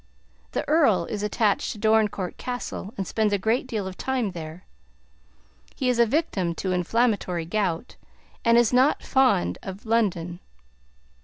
The Earl is attached to Dorincourt Castle, and spends a great deal of time there. He is a victim to inflammatory gout, and is not fond of London.